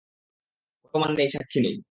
কোন প্রমাণ নেই, সাক্ষী নেই।